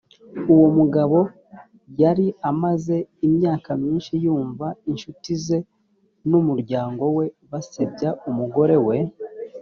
uwo mugabo yari amaze imyaka myinshi yumva incuti ze n’umuryango we basebya umugore we